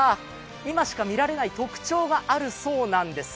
今しか見られない特徴があるそうなんです。